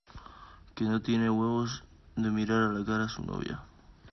que no tiene huevos de mirar a la cara a su novia